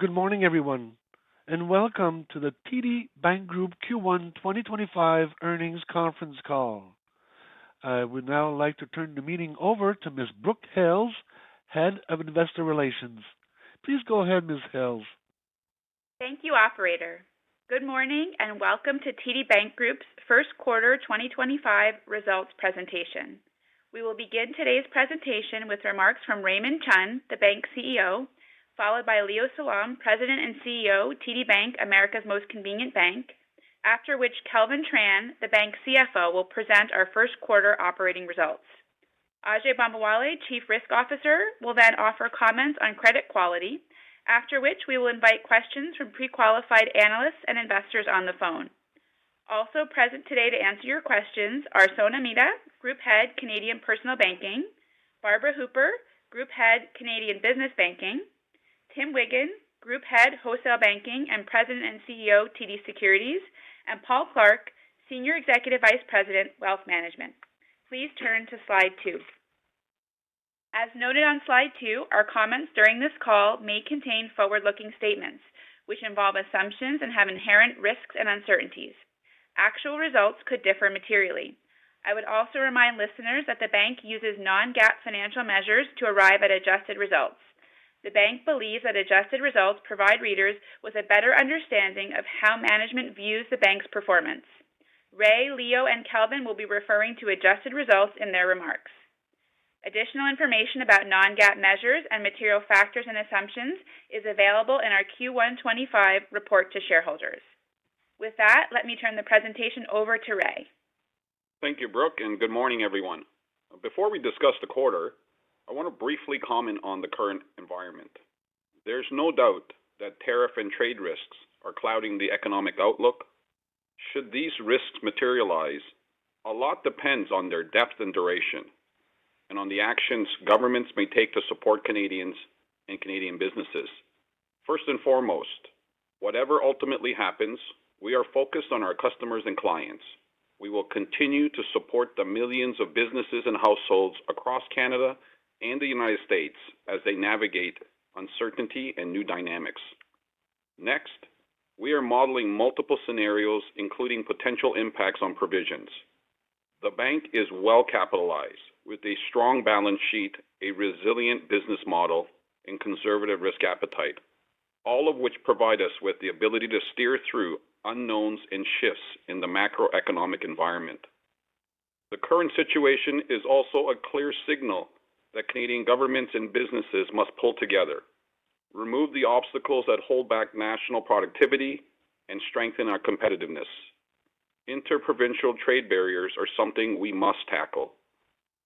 Good morning, everyone, and welcome to the TD Bank Group Q1 2025 Earnings Conference Call. I would now like to turn the meeting over to Ms. Brooke Hales, Head of Investor Relations. Please go ahead, Ms. Hales. Thank you, Operator. Good morning and welcome to TD Bank Group's First Quarter 2025 Results Presentation. We will begin today's presentation with remarks from Raymond Chun, the Bank CEO, followed by Leo Salom, President and CEO of TD Bank, America's Most Convenient Bank, after which Kelvin Tran, the Bank CFO, will present our first quarter operating results. Ajai Bambawale, Chief Risk Officer, will then offer comments on credit quality, after which we will invite questions from pre-qualified analysts and investors on the phone. Also present today to answer your questions are Sona Mehta, Group Head, Canadian Personal Banking, Barbara Hooper, Group Head, Canadian Business Banking, Tim Wiggan, Group Head, Wholesale Banking and President and CEO of TD Securities, and Paul Clark, Senior Executive Vice President, Wealth Management. Please turn to slide two. As noted on slide two, our comments during this call may contain forward-looking statements which involve assumptions and have inherent risks and uncertainties. Actual results could differ materially. I would also remind listeners that the Bank uses non-GAAP financial measures to arrive at adjusted results. The Bank believes that adjusted results provide readers with a better understanding of how management views the Bank's performance. Ray, Leo, and Kelvin will be referring to adjusted results in their remarks. Additional information about non-GAAP measures and material factors and assumptions is available in our Q1 2025 report to shareholders. With that, let me turn the presentation over to Ray. Thank you, Brooke, and good morning, everyone. Before we discuss the quarter, I want to briefly comment on the current environment. There's no doubt that tariff and trade risks are clouding the economic outlook. Should these risks materialize, a lot depends on their depth and duration, and on the actions governments may take to support Canadians and Canadian businesses. First and foremost, whatever ultimately happens, we are focused on our customers and clients. We will continue to support the millions of businesses and households across Canada and the United States as they navigate uncertainty and new dynamics. Next, we are modeling multiple scenarios, including potential impacts on provisions. The Bank is well-capitalized, with a strong balance sheet, a resilient business model, and conservative risk appetite, all of which provide us with the ability to steer through unknowns and shifts in the macroeconomic environment. The current situation is also a clear signal that Canadian governments and businesses must pull together, remove the obstacles that hold back national productivity, and strengthen our competitiveness. Interprovincial trade barriers are something we must tackle.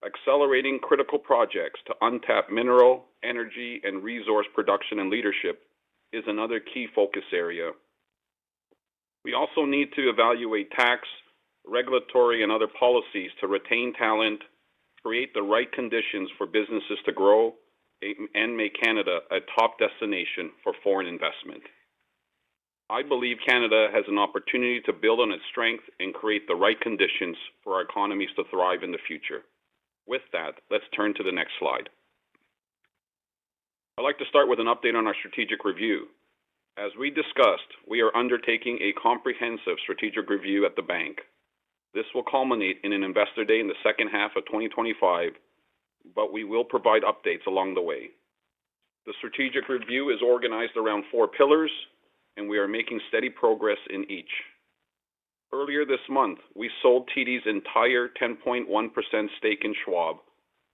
Accelerating critical projects to untap mineral, energy, and resource production and leadership is another key focus area. We also need to evaluate tax, regulatory, and other policies to retain talent, create the right conditions for businesses to grow, and make Canada a top destination for foreign investment. I believe Canada has an opportunity to build on its strength and create the right conditions for our economies to thrive in the future. With that, let's turn to the next slide. I'd like to start with an update on our strategic review. As we discussed, we are undertaking a comprehensive strategic review at the Bank. This will culminate in an Investor Day in the second half of 2025, but we will provide updates along the way. The strategic review is organized around four pillars, and we are making steady progress in each. Earlier this month, we sold TD's entire 10.1% stake in Schwab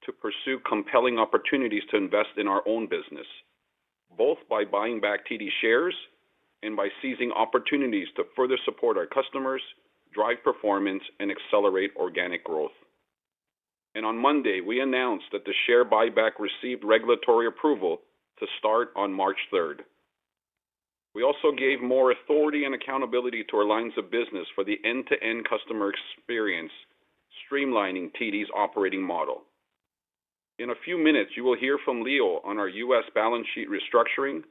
to pursue compelling opportunities to invest in our own business, both by buying back TD shares and by seizing opportunities to further support our customers, drive performance, and accelerate organic growth. And on Monday, we announced that the share buyback received regulatory approval to start on March 3rd. We also gave more authority and accountability to our lines of business for the end-to-end customer experience, streamlining TD's operating model. In a few minutes, you will hear from Leo on our U.S. balance sheet restructuring.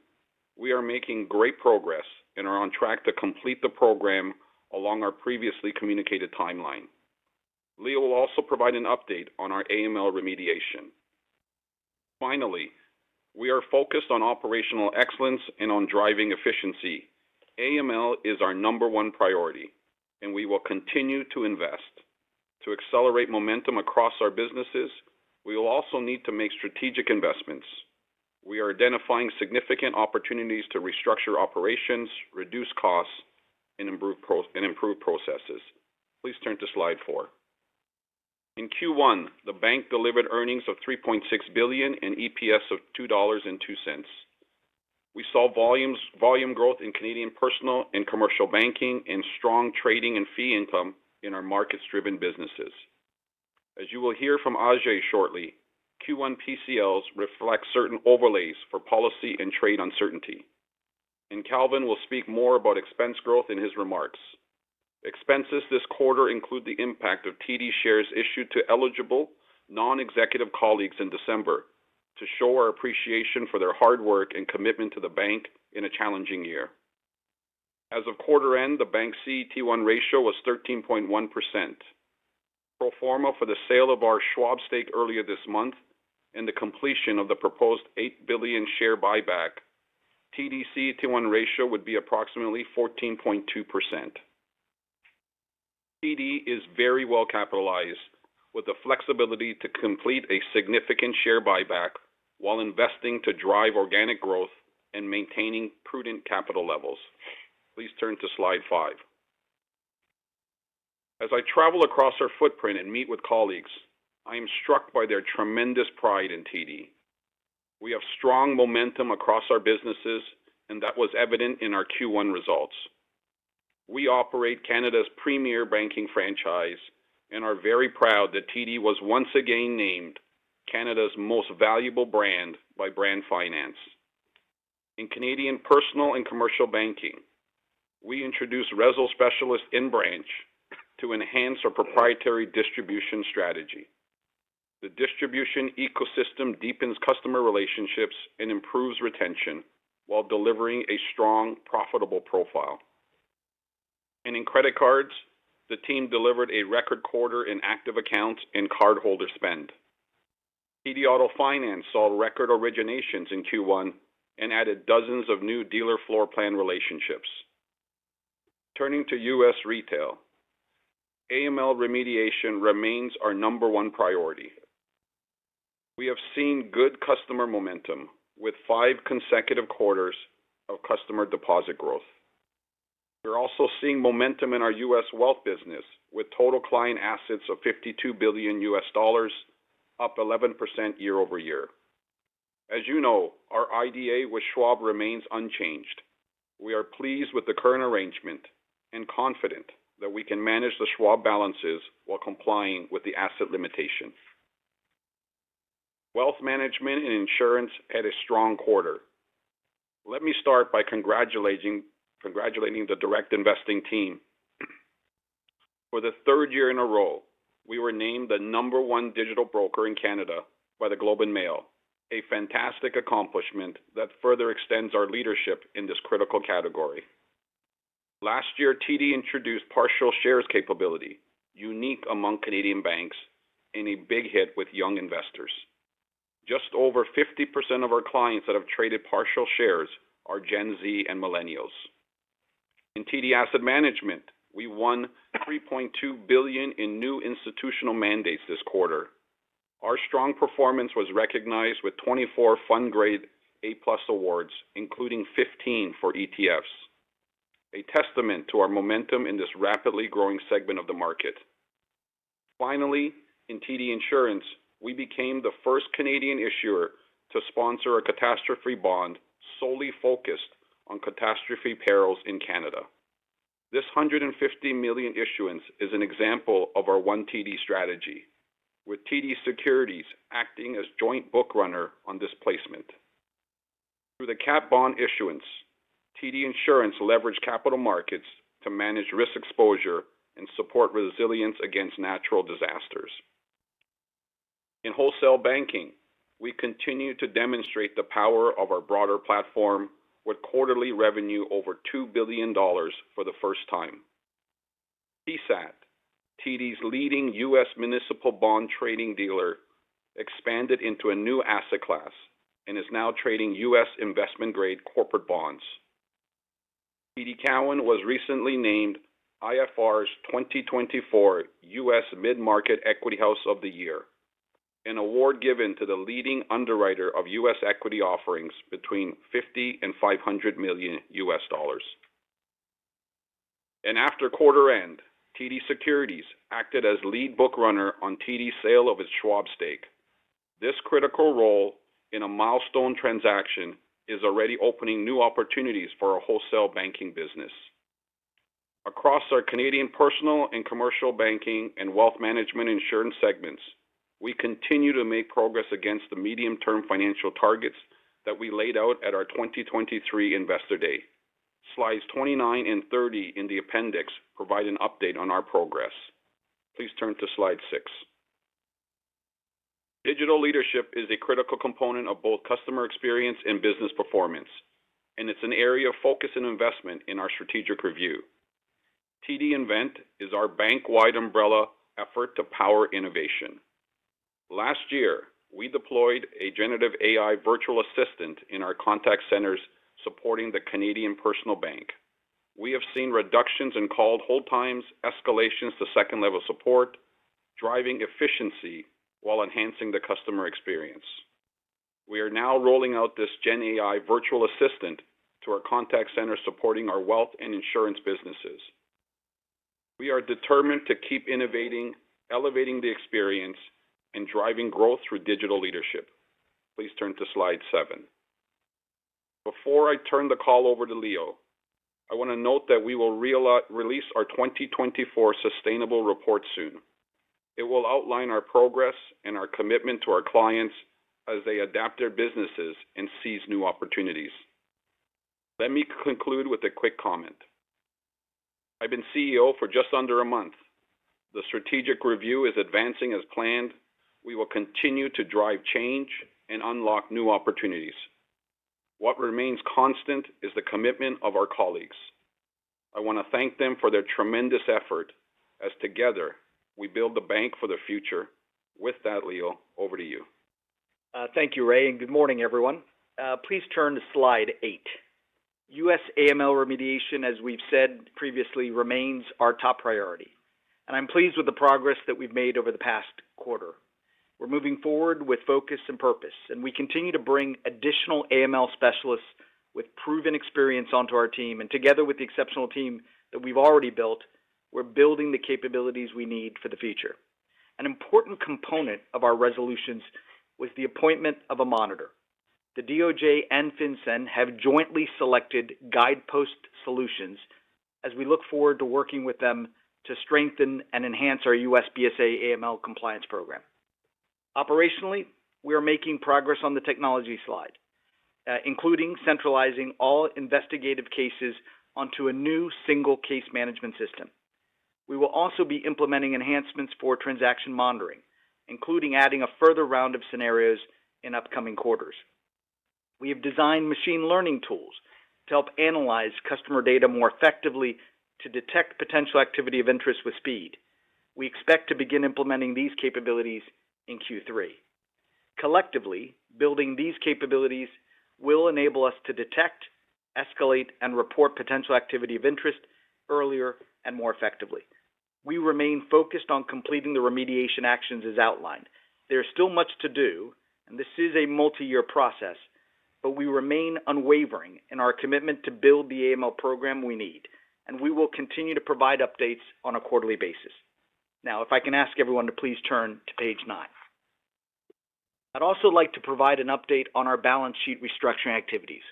We are making great progress and are on track to complete the program along our previously communicated timeline. Leo will also provide an update on our AML remediation. Finally, we are focused on operational excellence and on driving efficiency. AML is our number one priority, and we will continue to invest. To accelerate momentum across our businesses, we will also need to make strategic investments. We are identifying significant opportunities to restructure operations, reduce costs, and improve processes. Please turn to slide four. In Q1, the Bank delivered earnings of $3.6 billion and EPS of $2.02. We saw volume growth in Canadian personal and commercial banking and strong trading and fee income in our markets-driven businesses. As you will hear from Ajai shortly, Q1 PCLs reflect certain overlays for policy and trade uncertainty, and Kelvin will speak more about expense growth in his remarks. Expenses this quarter include the impact of TD shares issued to eligible non-executive colleagues in December to show our appreciation for their hard work and commitment to the Bank in a challenging year. As of quarter end, the Bank's CET1 ratio was 13.1%. Pro forma for the sale of our Schwab stake earlier this month and the completion of the proposed $8 billion share buyback, TD's CET1 ratio would be approximately 14.2%. TD is very well-capitalized, with the flexibility to complete a significant share buyback while investing to drive organic growth and maintaining prudent capital levels. Please turn to slide five. As I travel across our footprint and meet with colleagues, I am struck by their tremendous pride in TD. We have strong momentum across our businesses, and that was evident in our Q1 results. We operate Canada's premier banking franchise and are very proud that TD was once again named Canada's most valuable brand by Brand Finance. In Canadian personal and commercial banking, we introduced RESL Specialists in branch to enhance our proprietary distribution strategy. The distribution ecosystem deepens customer relationships and improves retention while delivering a strong, profitable profile, and in credit cards, the team delivered a record quarter in active accounts and cardholder spend. TD Auto Finance saw record originations in Q1 and added dozens of new dealer floor plan relationships. Turning to U.S. retail, AML remediation remains our number one priority. We have seen good customer momentum with five consecutive quarters of customer deposit growth. We're also seeing momentum in our U.S. wealth business with total client assets of $52 billion, up 11% year-over-year. As you know, our IDA with Schwab remains unchanged. We are pleased with the current arrangement and confident that we can manage the Schwab balances while complying with the asset limitation. Wealth management and insurance had a strong quarter. Let me start by congratulating the Direct Investing team. For the third year in a row, we were named the number one digital broker in Canada by The Globe and Mail, a fantastic accomplishment that further extends our leadership in this critical category. Last year, TD introduced partial shares capability, unique among Canadian banks and a big hit with young investors. Just over 50% of our clients that have traded partial shares are Gen Z and Millennials. In TD Asset Management, we won 3.2 billion in new institutional mandates this quarter. Our strong performance was recognized with 24 FundGrade A-plus awards, including 15 for ETFs, a testament to our momentum in this rapidly growing segment of the market. Finally, in TD Insurance, we became the first Canadian Issuer to sponsor a catastrophe bond solely focused on catastrophe perils in Canada. This 150 million issuance is an example of our OneTD strategy, with TD Securities acting as joint book runner on this placement. Through the cat bond issuance, TD Insurance leveraged capital markets to manage risk exposure and support resilience against natural disasters. In Wholesale Banking, we continue to demonstrate the power of our broader platform with quarterly revenue over 2 billion dollars for the first time. TDSAT, TD's leading U.S. municipal-bond trading dealer, expanded into a new asset class and is now trading U.S. investment-grade corporate bonds. TD Cowen was recently named IFR's 2024 U.S. Mid-Market Equity House of the Year, an award given to the leading underwriter of U.S. equity offerings between $50-$500 million U.S. dollars. And after quarter-end, TD Securities acted as lead book runner on TD's sale of its Schwab stake. This critical role in a milestone transaction is already opening new opportunities for our wholesale banking business. Across our Canadian Personal and Commercial Banking and Wealth Management Insurance segments, we continue to make progress against the medium-term financial targets that we laid out at our 2023 Investor Day. Slides 29 and 30 in the appendix provide an update on our progress. Please turn to slide six. Digital leadership is a critical component of both customer experience and business performance, and it's an area of focus and investment in our strategic review. TD Invent is our bank-wide umbrella effort to power innovation. Last year, we deployed a Generative AI virtual assistant in our contact centers supporting the Canadian Personal Bank. We have seen reductions in called hold times, escalations to second-level support, driving efficiency while enhancing the customer experience. We are now rolling out this Gen AI virtual assistant to our contact centers supporting our wealth and insurance businesses. We are determined to keep innovating, elevating the experience, and driving growth through digital leadership. Please turn to slide seven. Before I turn the call over to Leo, I want to note that we will release our 2024 Sustainability Report soon. It will outline our progress and our commitment to our clients as they adapt their businesses and seize new opportunities. Let me conclude with a quick comment. I've been CEO for just under a month. The strategic review is advancing as planned. We will continue to drive change and unlock new opportunities. What remains constant is the commitment of our colleagues. I want to thank them for their tremendous effort as together we build the Bank for the future. With that, Leo, over to you. Thank you, Ray. And good morning, everyone. Please turn to slide eight. U.S. AML remediation, as we've said previously, remains our top priority. And I'm pleased with the progress that we've made over the past quarter. We're moving forward with focus and purpose, and we continue to bring additional AML specialists with proven experience onto our team. And together with the exceptional team that we've already built, we're building the capabilities we need for the future. An important component of our resolutions was the appointment of a monitor. The DoJ and FinCEN have jointly selected Guidepost Solutions, as we look forward to working with them to strengthen and enhance our U.S. BSA/AML compliance program. Operationally, we are making progress on the technology side, including centralizing all investigative cases onto a new single case management system. We will also be implementing enhancements for transaction monitoring, including adding a further round of scenarios in upcoming quarters. We have designed machine learning tools to help analyze customer data more effectively to detect potential activity of interest with speed. We expect to begin implementing these capabilities in Q3. Collectively, building these capabilities will enable us to detect, escalate, and report potential activity of interest earlier and more effectively. We remain focused on completing the remediation actions as outlined. There is still much to do, and this is a multi-year process, but we remain unwavering in our commitment to build the AML program we need, and we will continue to provide updates on a quarterly basis. Now, if I can ask everyone to please turn to page nine. I'd also like to provide an update on our balance sheet restructuring activities.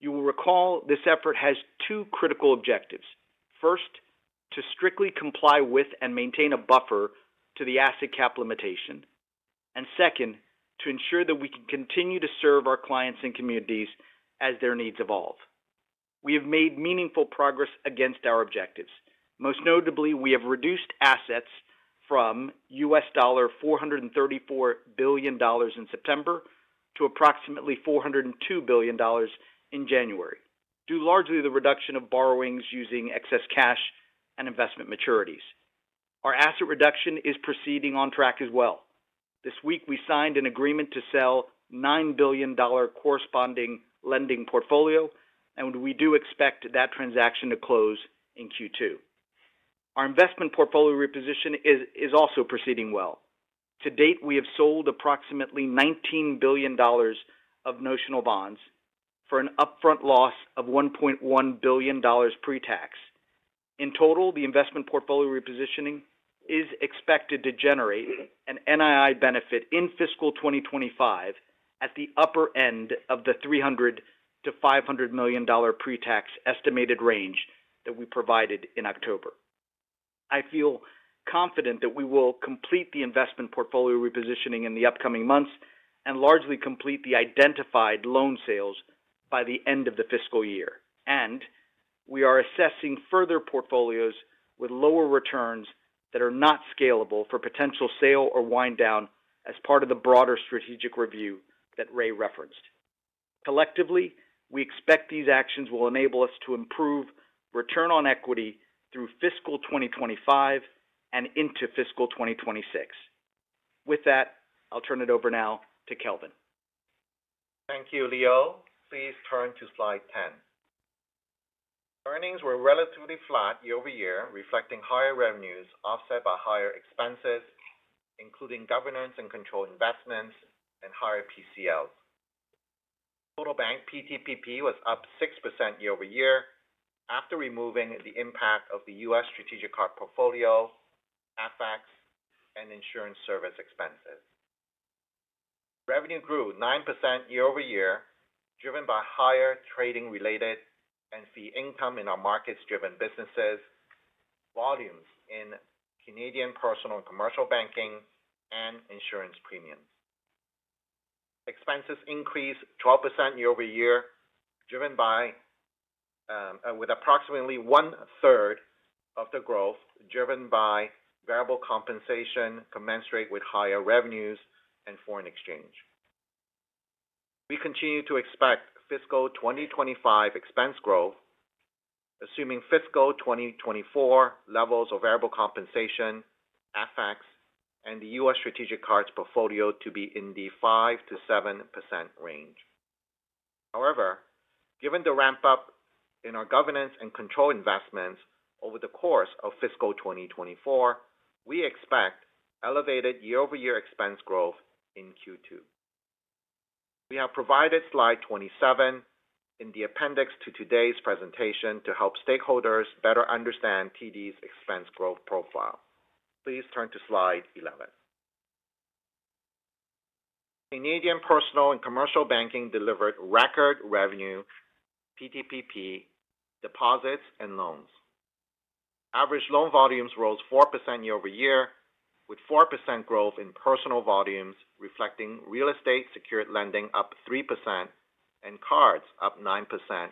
You will recall this effort has two critical objectives. First, to strictly comply with and maintain a buffer to the asset cap limitation, and second, to ensure that we can continue to serve our clients and communities as their needs evolve. We have made meaningful progress against our objectives. Most notably, we have reduced assets from $434 billion in September to approximately $402 billion in January, due largely to the reduction of borrowings using excess cash and investment maturities. Our asset reduction is proceeding on track as well. This week, we signed an agreement to sell $9 billion corresponding lending portfolio, and we do expect that transaction to close in Q2. Our investment portfolio reposition is also proceeding well. To date, we have sold approximately $19 billion of notional bonds for an upfront loss of $1.1 billion pre-tax. In total, the investment portfolio repositioning is expected to generate an NII benefit in fiscal 2025 at the upper end of the $300 million-$500 million pre-tax estimated range that we provided in October. I feel confident that we will complete the investment portfolio repositioning in the upcoming months and largely complete the identified loan sales by the end of the fiscal year. And we are assessing further portfolios with lower returns that are not scalable for potential sale or wind down as part of the broader strategic review that Ray referenced. Collectively, we expect these actions will enable us to improve return on equity through fiscal 2025 and into fiscal 2026. With that, I'll turn it over now to Kelvin. Thank you, Leo. Please turn to slide 10. Earnings were relatively flat year-over-year, reflecting higher revenues offset by higher expenses, including governance and control investments and higher PCLs. Total bank PTPP was up 6% year-over-year after removing the impact of the U.S. strategic card portfolio, FX, and Insurance Service Expenses. Revenue grew 9% year-over-year, driven by higher trading-related and fee income in our market-driven businesses, volumes in Canadian Personal and Commercial Banking, and insurance premiums. Expenses increased 12% year-over-year, driven by approximately 1/3 of the growth, driven by variable compensation commensurate with higher revenues and foreign exchange. We continue to expect fiscal 2025 expense growth, assuming fiscal 2024 levels of variable compensation, FX, and the U.S. strategic cards portfolio to be in the 5%-7% range. However, given the ramp-up in our governance and control investments over the course of fiscal 2024, we expect elevated year-over-year expense growth in Q2. We have provided slide 27 in the appendix to today's presentation to help stakeholders better understand TD's expense growth profile. Please turn to slide 11. Canadian personal and commercial banking delivered record revenue PTPP, deposits, and loans. Average loan volumes rose 4% year-over-year, with 4% growth in personal volumes, reflecting real estate secured lending up 3% and cards up 9%,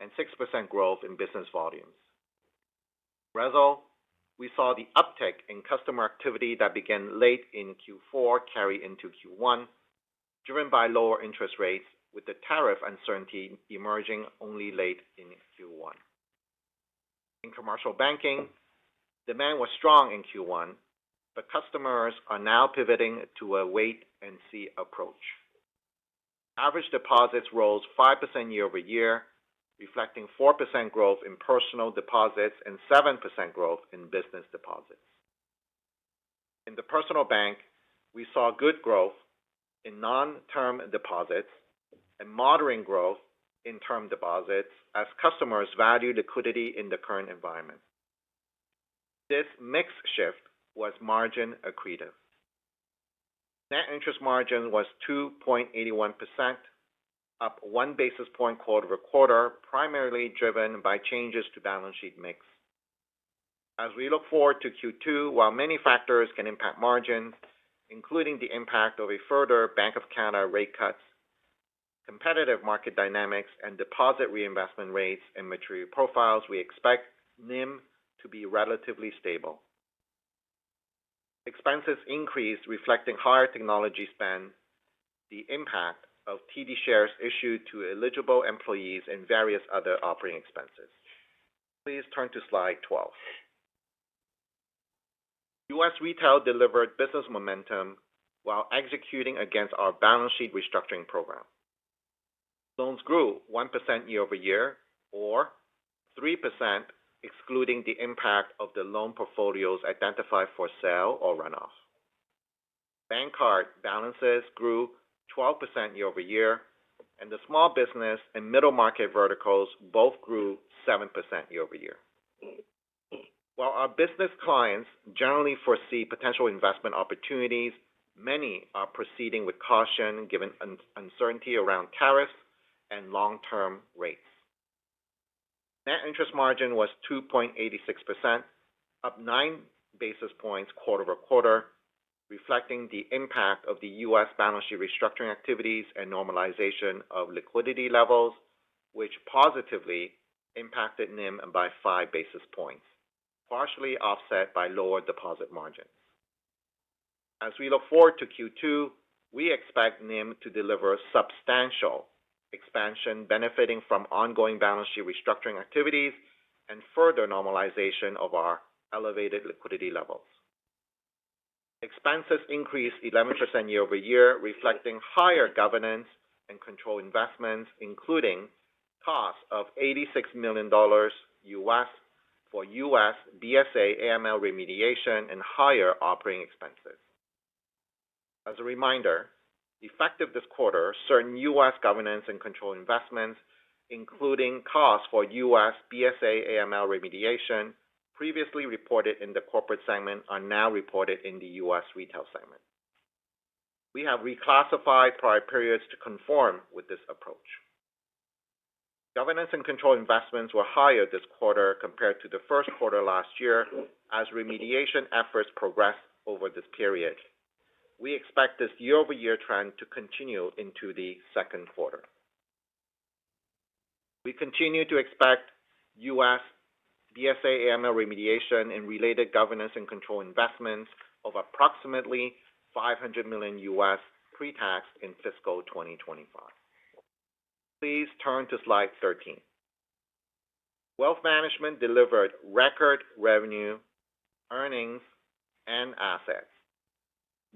and 6% growth in business volumes. RESL, we saw the uptick in customer activity that began late in Q4 carry into Q1, driven by lower interest rates, with the tariff uncertainty emerging only late in Q1. In commercial banking, demand was strong in Q1, but customers are now pivoting to a wait-and-see approach. Average deposits rose 5% year-over-year, reflecting 4% growth in personal deposits and 7% growth in business deposits. In the Personal Bank, we saw good growth in non-term deposits and moderate growth in term deposits as customers value liquidity in the current environment. This mix shift was margin accretive. Net interest margin was 2.81%, up one basis point quarter-over-quarter, primarily driven by changes to balance sheet mix. As we look forward to Q2, while many factors can impact margins, including the impact of a further Bank of Canada rate cuts, competitive market dynamics, and deposit reinvestment rates and material profiles, we expect NIM to be relatively stable. Expenses increased, reflecting higher technology spend, the impact of TD shares issued to eligible employees, and various other operating expenses. Please turn to slide 12. U.S. Retail delivered business momentum while executing against our balance sheet restructuring program. Loans grew 1% year-over-year or 3%, excluding the impact of the loan portfolios identified for sale or runoff. Bank card balances grew 12% year-over-year, and the small business and middle market verticals both grew 7% year-over-year. While our business clients generally foresee potential investment opportunities, many are proceeding with caution given uncertainty around tariffs and long-term rates. Net interest margin was 2.86%, up nine basis points quarter-over-quarter, reflecting the impact of the U.S. balance sheet restructuring activities and normalization of liquidity levels, which positively impacted NIM by five basis points, partially offset by lower deposit margins. As we look forward to Q2, we expect NIM to deliver substantial expansion, benefiting from ongoing balance sheet restructuring activities and further normalization of our elevated liquidity levels. Expenses increased 11% year-over-year, reflecting higher governance and control investments, including costs of $86 million for U.S. BSA/AML remediation and higher operating expenses. As a reminder, effective this quarter, certain U.S. governance and control investments, including costs for U.S. BSA/AML remediation previously reported in the Corporate segment, are now reported in the U.S. Retail segment. We have reclassified prior periods to conform with this approach. Governance and control investments were higher this quarter compared to the first quarter last year as remediation efforts progressed over this period. We expect this year-over-year trend to continue into the second quarter. We continue to expect U.S. BSA/AML remediation and related governance and control investments of approximately $500 million pre-tax in fiscal 2025. Please turn to slide 13. Wealth Management delivered record revenue, earnings, and assets.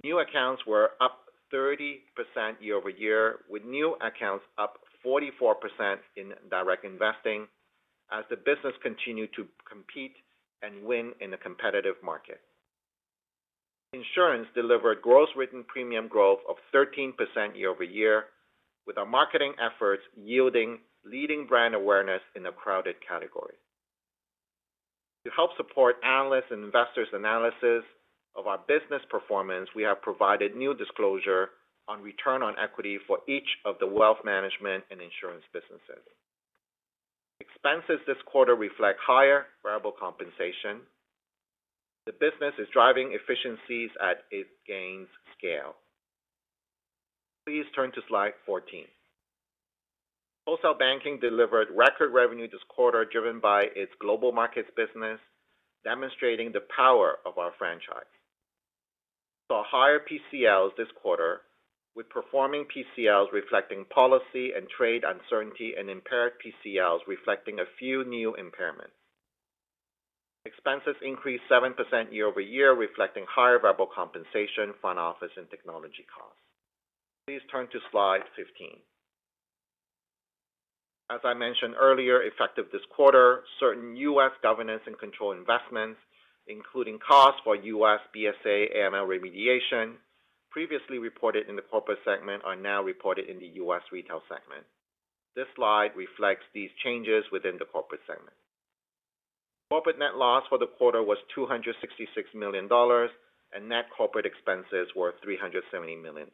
New accounts were up 30% year-over-year, with new accounts up 44% in direct investing as the business continued to compete and win in a competitive market. Insurance delivered gross written premium growth of 13% year over year, with our marketing efforts yielding leading brand awareness in a crowded category. To help support analysts and investors' analysis of our business performance, we have provided new disclosure on return on equity for each of the Wealth Management and Insurance Business segments. Expenses this quarter reflect higher variable compensation. The business is driving efficiencies at its gains scale. Please turn to slide 14. Wholesale Banking delivered record revenue this quarter, driven by its global markets business, demonstrating the power of our franchise. Saw higher PCLs this quarter, with performing PCLs reflecting policy and trade uncertainty and impaired PCLs reflecting a few new impairments. Expenses increased 7% year-over-year, reflecting higher variable compensation, front office, and technology costs. Please turn to slide 15. As I mentioned earlier, effective this quarter, certain U.S. governance and control investments, including costs for U.S. BSA/AML remediation previously reported in the Corporate segment, are now reported in the U.S. Retail segment. This slide reflects these changes within the Corporate segment. Corporate net loss for the quarter was $266 million, and net corporate expenses were $370 million.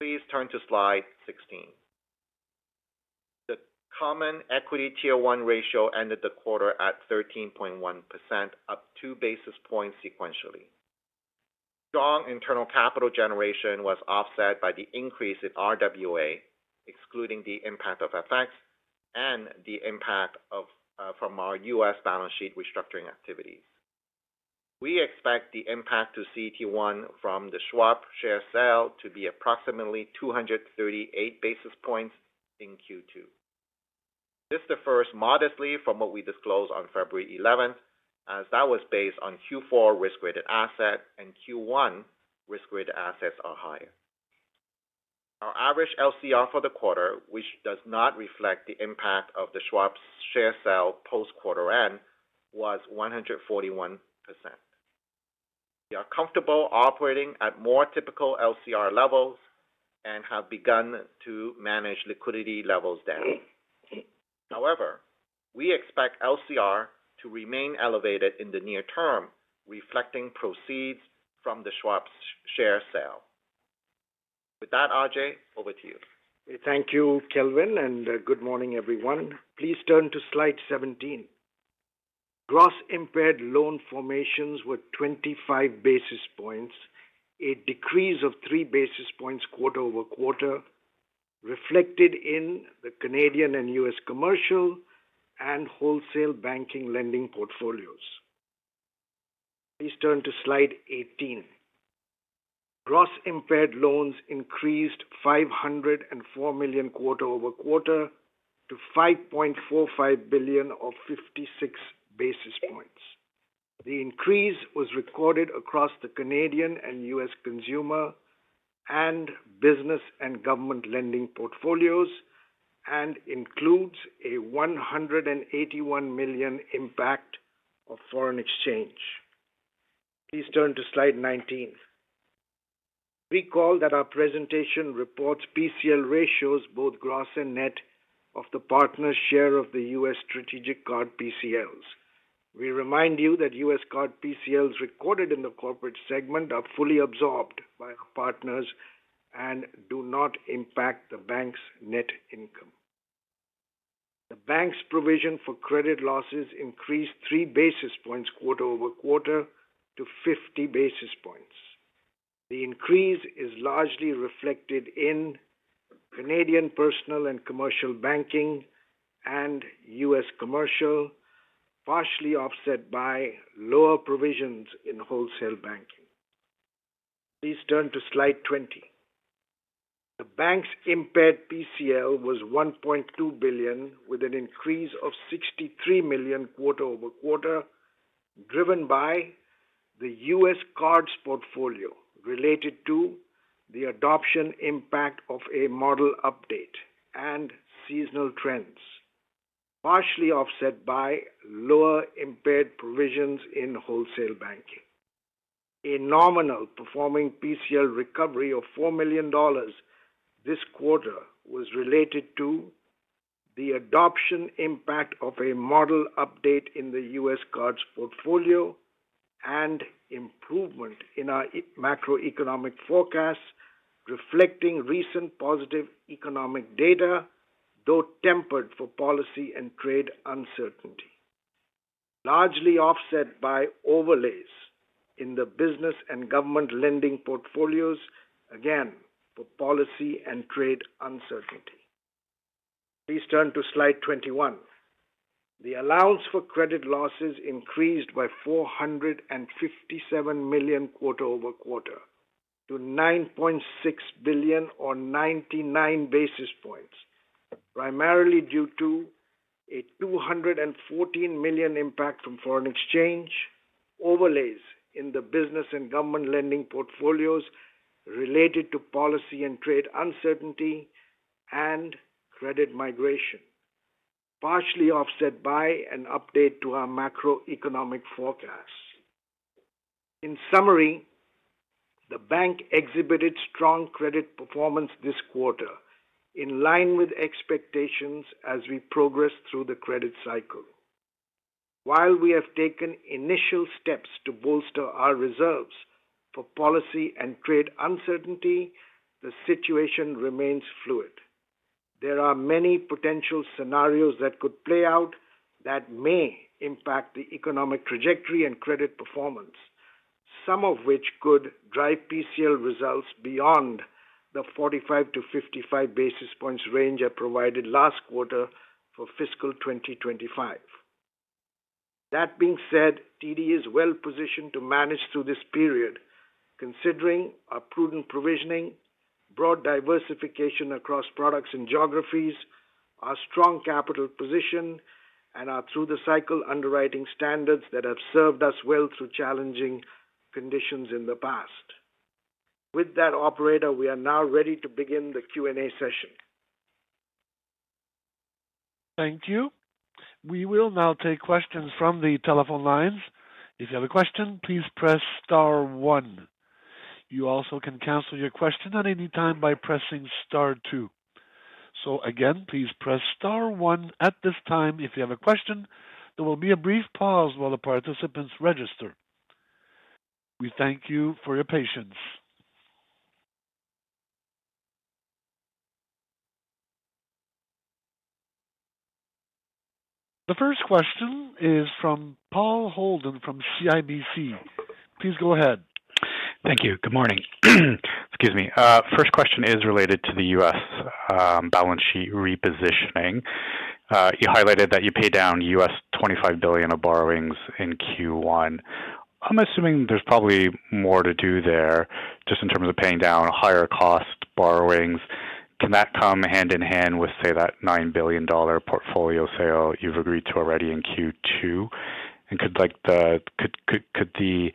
Please turn to slide 16. The common equity tier one ratio ended the quarter at 13.1%, up two basis points sequentially. Strong internal capital generation was offset by the increase in RWA, excluding the impact of FX and the impact from our U.S. balance sheet restructuring activities. We expect the impact to CET1 from the Schwab share sale to be approximately 238 basis points in Q2. This differs modestly from what we disclosed on February 11th, as that was based on Q4 risk-weighted asset, and Q1 risk-weighted assets are higher. Our average LCR for the quarter, which does not reflect the impact of the Schwab share sale post-quarter end, was 141%. We are comfortable operating at more typical LCR levels and have begun to manage liquidity levels down. However, we expect LCR to remain elevated in the near term, reflecting proceeds from the Schwab share sale. With that, Ajai, over to you. Thank you, Kelvin, and good morning, everyone. Please turn to slide 17. Gross impaired loan formations were 25 basis points, a decrease of three basis points quarter-over-quarter, reflected in the Canadian and U.S. Commercial and Wholesale Banking lending portfolios. Please turn to slide 18. Gross impaired loans increased 504 million quarter-over-quarter to 5.45 billion of 56 basis points. The increase was recorded across the Canadian and U.S. consumer and business, and government lending portfolios and includes a 181 million impact of foreign exchange. Please turn to slide 19. Recall that our presentation reports PCL ratios, both gross and net, of the partners' share of the U.S. strategic card PCLs. We remind you that U.S. Card PCLs recorded in the corporate segment are fully absorbed by our partners and do not impact the bank's net income. The bank's provision for credit losses increased three basis points quarter-over-quarter to 50 basis points. The increase is largely reflected in Canadian Personal and Commercial Banking and U.S. Commercial, partially offset by lower provisions in wholesale banking. Please turn to slide 20. The bank's impaired PCL was 1.2 billion, with an increase of 63 million quarter-over-quarter, driven by the U.S. Cards portfolio related to the adoption impact of a model update and seasonal trends, partially offset by lower impaired provisions in wholesale banking. A nominal performing PCL recovery of 4 million dollars this quarter was related to the adoption impact of a model update in the U.S. Cards portfolio and improvement in our macroeconomic forecasts, reflecting recent positive economic data, though tempered for policy and trade uncertainty, largely offset by overlays in the business and government lending portfolios, again, for policy and trade uncertainty. Please turn to slide 21. The allowance for credit losses increased by 457 million quarter-over-quarter to 9.6 billion or 99 basis points, primarily due to a 214 million impact from foreign exchange, overlays in the business and government lending portfolios related to policy and trade uncertainty, and credit migration, partially offset by an update to our macroeconomic forecasts. In summary, the bank exhibited strong credit performance this quarter, in line with expectations as we progress through the credit cycle. While we have taken initial steps to bolster our reserves for policy and trade uncertainty, the situation remains fluid. There are many potential scenarios that could play out that may impact the economic trajectory and credit performance, some of which could drive PCL results beyond the 45-55 basis points range I provided last quarter for fiscal 2025. That being said, TD is well-positioned to manage through this period, considering our prudent provisioning, broad diversification across products and geographies, our strong capital position, and our through-the-cycle underwriting standards that have served us well through challenging conditions in the past. With that, operator, we are now ready to begin the Q&A session. Thank you. We will now take questions from the telephone lines. If you have a question, please press star one. You also can cancel your question at any time by pressing star two. So again, please press star one at this time if you have a question. There will be a brief pause while the participants register. We thank you for your patience. The first question is from Paul Holden from CIBC. Please go ahead. Thank you. Good morning. Excuse me. First question is related to the U.S. balance sheet repositioning. You highlighted that you paid down U.S. $25 billion of borrowings in Q1. I'm assuming there's probably more to do there just in terms of paying down higher-cost borrowings. Can that come hand in hand with, say, that $9 billion portfolio sale you've agreed to already in Q2? And could the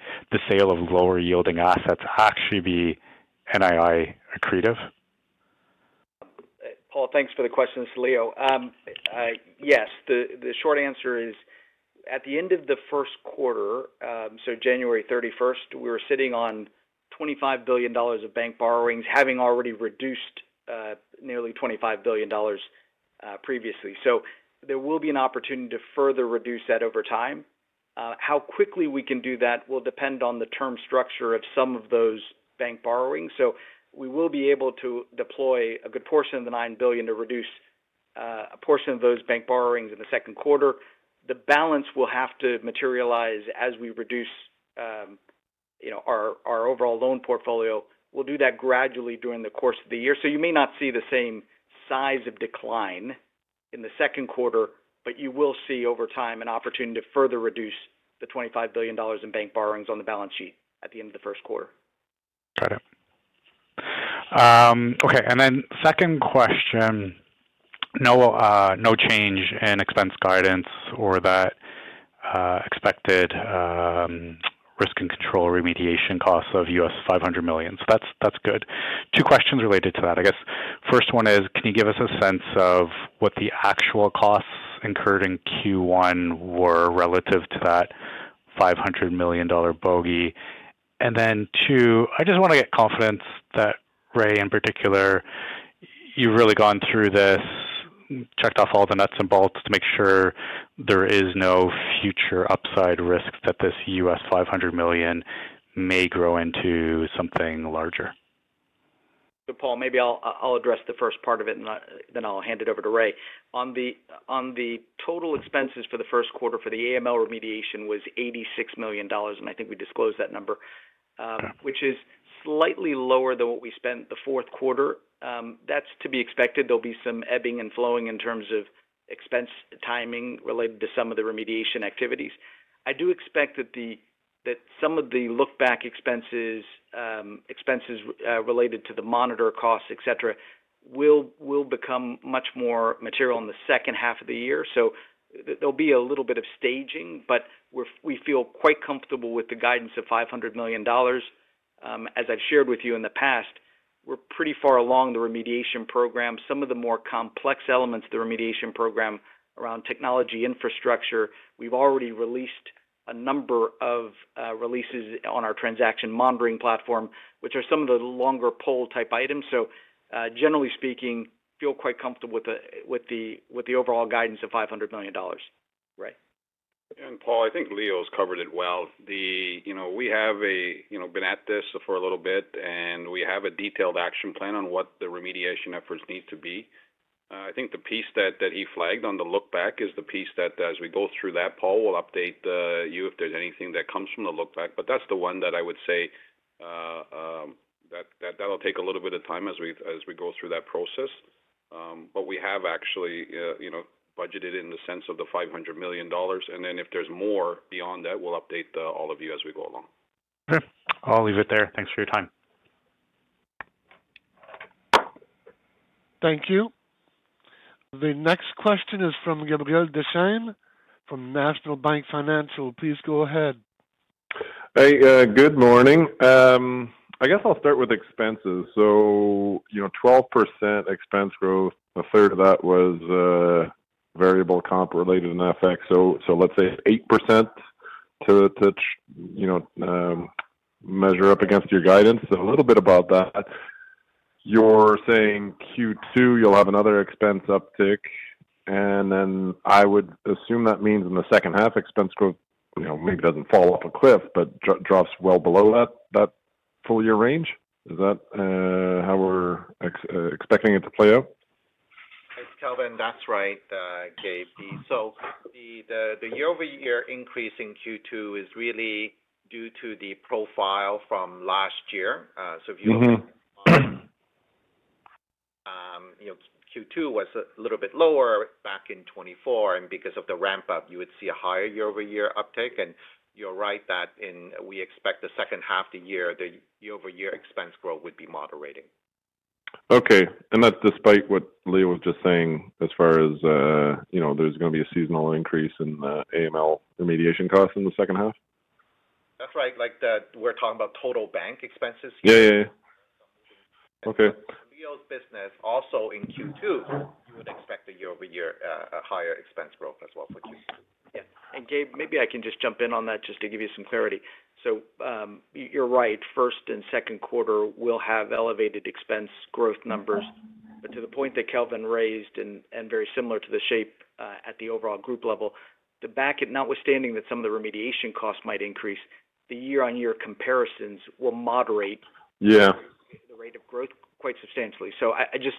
sale of lower-yielding assets actually be NII accretive? Paul, thanks for the questions. This is Leo. Yes, the short answer is, at the end of the first quarter, so January 31st, we were sitting on $25 billion of bank borrowings, having already reduced nearly $25 billion previously. So there will be an opportunity to further reduce that over time. How quickly we can do that will depend on the term structure of some of those bank borrowings. So we will be able to deploy a good portion of the $9 billion to reduce a portion of those bank borrowings in the second quarter. The balance will have to materialize as we reduce our overall loan portfolio. We'll do that gradually during the course of the year. So you may not see the same size of decline in the second quarter, but you will see over time an opportunity to further reduce the $25 billion in bank borrowings on the balance sheet at the end of the first quarter. Got it. Okay. And then second question, no change in expense guidance or that expected risk and control remediation costs of $500 million. So that's good. Two questions related to that. I guess first one is, can you give us a sense of what the actual costs incurred in Q1 were relative to that $500 million bogey? And then two, I just want to get confidence that, Ray, in particular, you've really gone through this, checked off all the nuts and bolts to make sure there is no future upside risk that this $500 million may grow into something larger. Paul, maybe I'll address the first part of it, and then I'll hand it over to Ray. On the total expenses for the first quarter for the AML remediation was $86 million, and I think we disclosed that number, which is slightly lower than what we spent the fourth quarter. That's to be expected. There'll be some ebbing and flowing in terms of expense timing related to some of the remediation activities. I do expect that some of the look-back expenses, expenses related to the monitor costs, etc., will become much more material in the second half of the year. There'll be a little bit of staging, but we feel quite comfortable with the guidance of $500 million. As I've shared with you in the past, we're pretty far along the remediation program. Some of the more complex elements of the remediation program around technology infrastructure, we've already released a number of releases on our transaction monitoring platform, which are some of the longer poll-type items. So generally speaking, feel quite comfortable with the overall guidance of $500 million. Ray? Paul, I think Leo's covered it well. We have been at this for a little bit, and we have a detailed action plan on what the remediation efforts need to be. I think the piece that he flagged on the look-back is the piece that as we go through that, Paul will update you if there's anything that comes from the look-back. That's the one that I would say that'll take a little bit of time as we go through that process. We have actually budgeted in the sense of the $500 million. Then if there's more beyond that, we'll update all of you as we go along. Okay. I'll leave it there. Thanks for your time. Thank you. The next question is from Gabriel Dechaine from National Bank Financial. Please go ahead. Hey, good morning. I guess I'll start with expenses. So 12% expense growth, a third of that was variable comp related in FX. So let's say 8% to measure up against your guidance. A little bit about that. You're saying Q2 you'll have another expense uptick. Then I would assume that means in the second half, expense growth, maybe doesn't fall off a cliff, but drops well below that full-year range. Is that how we're expecting it to play out? It's Kelvin. That's right, Gabe. So the year-over-year increase in Q2 is really due to the profile from last year. So if you look at Q2, it was a little bit lower back in 2024. And because of the ramp-up, you would see a higher year-over-year uptake. And you're right that we expect the second half of the year, the year-over-year expense growth would be moderating. Okay. And that's despite what Leo was just saying, as far as there's going to be a seasonal increase in the AML remediation costs in the second half? That's right. We're talking about total bank expenses here. Yeah, yeah, yeah. Okay. Leo's business, also in Q2, you would expect a year-over-year higher expense growth as well for Q2. Yeah. And Gabe, maybe I can just jump in on that just to give you some clarity. So you're right. First and second quarter will have elevated expense growth numbers. But to the point that Kelvin raised and very similar to the shape at the overall group level, the back end, notwithstanding that some of the remediation costs might increase, the year-on-year comparisons will moderate the rate of growth quite substantially. So I just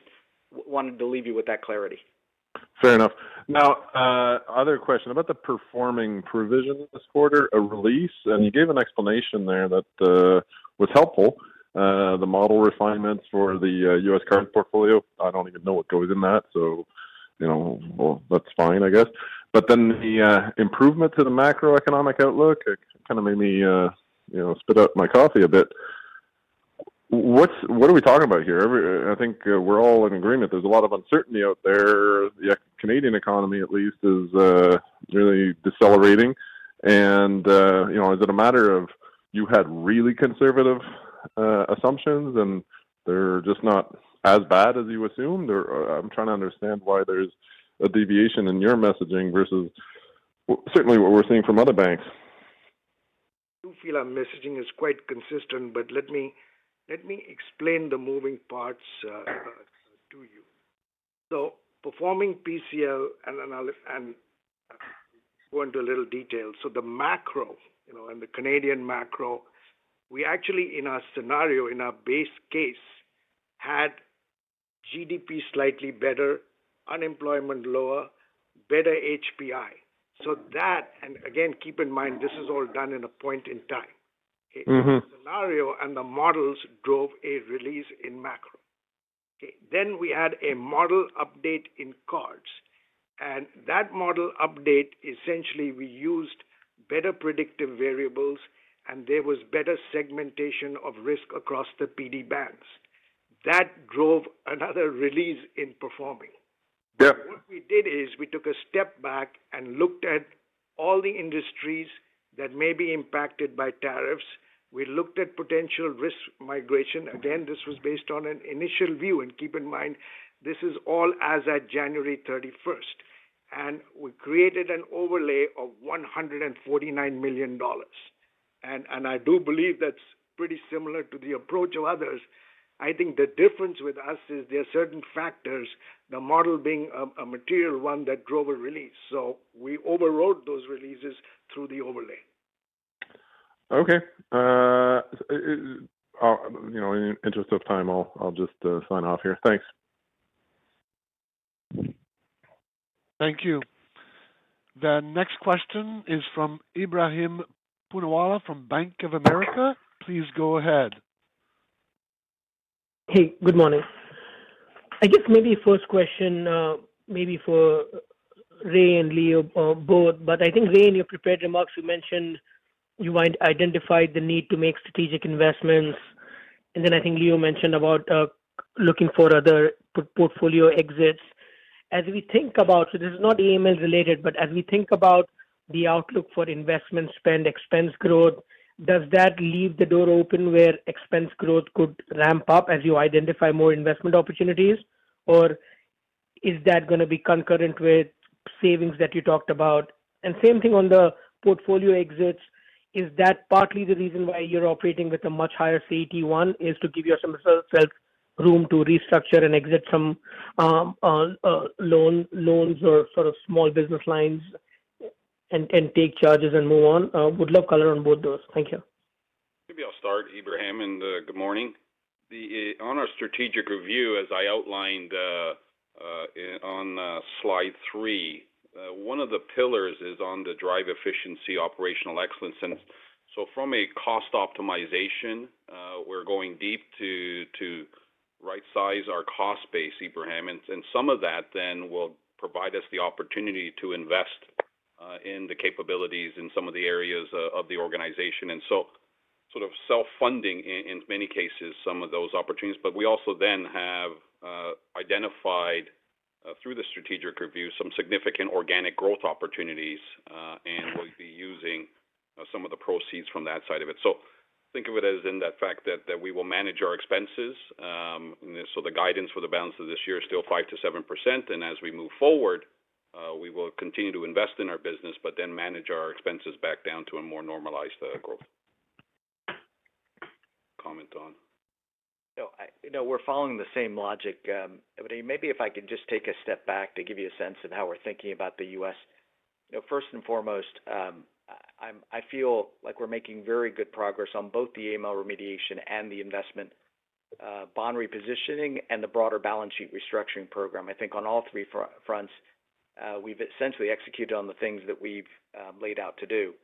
wanted to leave you with that clarity. Fair enough. Now, other question about the performing provision this quarter, a release. And you gave an explanation there that was helpful, the model refinements for the U.S. Card portfolio. I don't even know what goes in that. So that's fine, I guess. But then the improvement to the macroeconomic outlook kind of made me spit up my coffee a bit. What are we talking about here? I think we're all in agreement. There's a lot of uncertainty out there. The Canadian economy, at least, is really decelerating. And is it a matter of you had really conservative assumptions, and they're just not as bad as you assumed? I'm trying to understand why there's a deviation in your messaging versus certainly what we're seeing from other banks. I do feel our messaging is quite consistent, but let me explain the moving parts to you. So performing PCL, and I'll go into a little detail. So the macro and the Canadian macro, we actually, in our scenario, in our base case, had GDP slightly better, unemployment lower, better HPI. So that, and again, keep in mind, this is all done in a point in time. In the scenario and the models, drove a release in macro. Okay. Then we had a model update in cards. And that model update, essentially, we used better predictive variables, and there was better segmentation of risk across the PD bands. That drove another release in performing. What we did is we took a step back and looked at all the industries that may be impacted by tariffs. We looked at potential risk migration. Again, this was based on an initial view. Keep in mind, this is all as at January 31st. We created an overlay of $149 million. I do believe that's pretty similar to the approach of others. I think the difference with us is there are certain factors, the model being a material one that drove a release. We overrode those releases through the overlay. Okay. In the interest of time, I'll just sign off here. Thanks. Thank you. The next question is from Ebrahim Poonawala from Bank of America. Please go ahead. Hey, good morning. I guess maybe first question, maybe for Ray and Leo both, but I think Ray in your prepared remarks, you mentioned you identified the need to make strategic investments. And then I think Leo mentioned about looking for other portfolio exits. As we think about, so this is not AML related, but as we think about the outlook for investment spend, expense growth, does that leave the door open where expense growth could ramp up as you identify more investment opportunities? Or is that going to be concurrent with savings that you talked about? And same thing on the portfolio exits. Is that partly the reason why you're operating with a much higher CET1 is to give yourself room to restructure and exit some loans or sort of small business lines and take charges and move on? Would love color on both those. Thank you. Maybe I'll start, Ebrahim, and good morning. On our strategic review, as I outlined on slide three, one of the pillars is on the drive efficiency, operational excellence, and so from a cost optimization, we're going deep to right-size our cost base, Ebrahim, and some of that then will provide us the opportunity to invest in the capabilities in some of the areas of the organization, and so sort of self-funding, in many cases, some of those opportunities. But we also then have identified, through the strategic review, some significant organic growth opportunities, and we'll be using some of the proceeds from that side of it, so think of it as in the fact that we will manage our expenses, so the guidance for the balance of this year is still 5%-7%. As we move forward, we will continue to invest in our business, but then manage our expenses back down to a more normalized growth. Comment on? No, we're following the same logic. Maybe if I could just take a step back to give you a sense of how we're thinking about the U.S. First and foremost, I feel like we're making very good progress on both the AML remediation and the investment portfolio repositioning and the broader balance sheet restructuring program. I think on all three fronts, we've essentially executed on the things that we've laid out to do.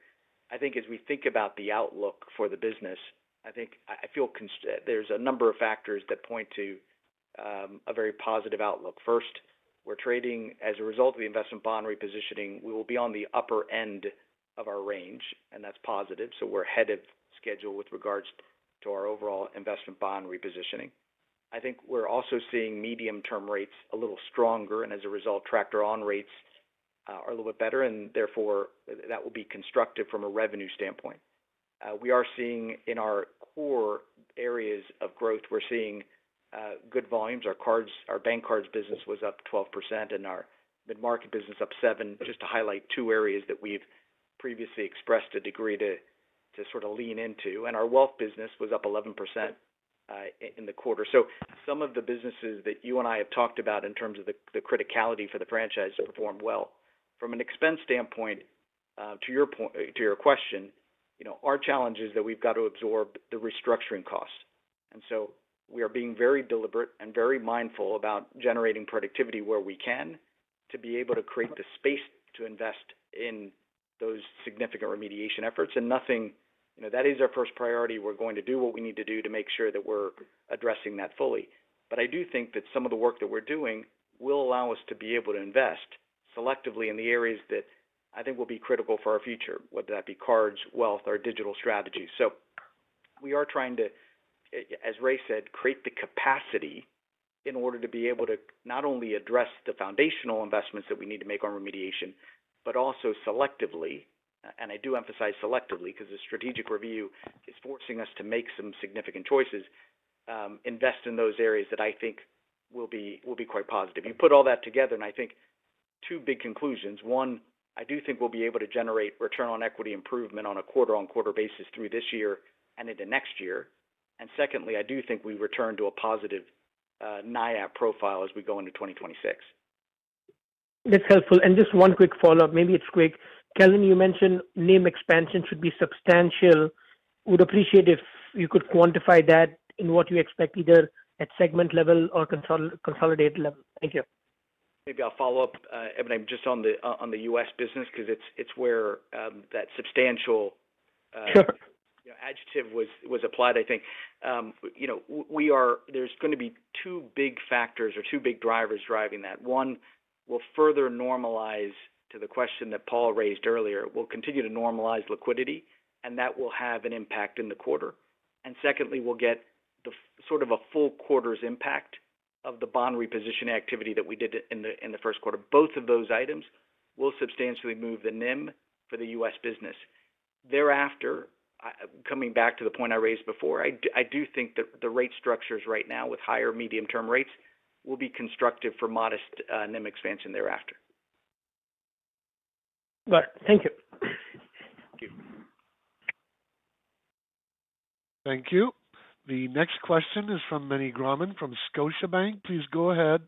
I think as we think about the outlook for the business, I feel there's a number of factors that point to a very positive outlook. First, we're trading as a result of the investment portfolio repositioning. We will be on the upper end of our range, and that's positive. So we're ahead of schedule with regards to our overall investment portfolio repositioning. I think we're also seeing medium-term rates a little stronger. As a result, tractor on rates are a little bit better. Therefore, that will be constructive from a revenue standpoint. We are seeing in our core areas of growth, we're seeing good volumes. Our bank cards business was up 12%, and our mid-market business up 7%, just to highlight two areas that we've previously expressed a degree to sort of lean into. Our wealth business was up 11% in the quarter. Some of the businesses that you and I have talked about in terms of the criticality for the franchise to perform well. From an expense standpoint, to your question, our challenge is that we've got to absorb the restructuring costs. We are being very deliberate and very mindful about generating productivity where we can to be able to create the space to invest in those significant remediation efforts. That is our first priority. We're going to do what we need to do to make sure that we're addressing that fully. But I do think that some of the work that we're doing will allow us to be able to invest selectively in the areas that I think will be critical for our future, whether that be cards, wealth, or digital strategies. So we are trying to, as Ray said, create the capacity in order to be able to not only address the foundational investments that we need to make on remediation, but also selectively, and I do emphasize selectively because the strategic review is forcing us to make some significant choices, invest in those areas that I think will be quite positive. You put all that together, and I think two big conclusions. One, I do think we'll be able to generate return on equity improvement on a quarter-on-quarter basis through this year and into next year. And secondly, I do think we return to a positive NIAT profile as we go into 2026. That's helpful, and just one quick follow-up. Maybe it's quick. Kelvin, you mentioned NIM expansion should be substantial. Would appreciate if you could quantify that in what you expect either at segment level or consolidated level? Thank you. Maybe I'll follow up, Ebrahim, just on the U.S. business because it's where that substantial adjective was applied, I think. There's going to be two big factors or two big drivers driving that. One, we'll further normalize to the question that Paul raised earlier. We'll continue to normalize liquidity, and that will have an impact in the quarter. And secondly, we'll get sort of a full quarter's impact of the bond repositioning activity that we did in the first quarter. Both of those items will substantially move the NIM for the U.S. business. Thereafter, coming back to the point I raised before, I do think that the rate structures right now with higher medium-term rates will be constructive for modest NIM expansion thereafter. All right. Thank you. Thank you. Thank you. The next question is from Meny Grauman from Scotiabank. Please go ahead.